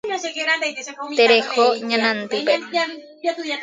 Tereho ñanandýpe.